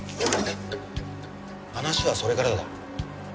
話はそれからだ。